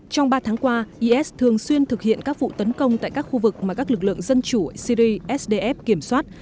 trong ba tháng qua is thường xuyên thực hiện các vụ tấn công tại các khu vực mà các lực lượng dân chủ syri sdf kiểm soát